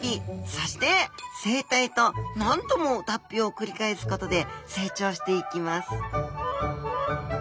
そして成体と何度も脱皮を繰り返すことで成長していきます